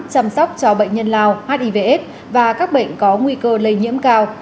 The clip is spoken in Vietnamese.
chăm sóc cho bệnh nhân lao hivs và các bệnh có nguy cơ lây nhiễm cao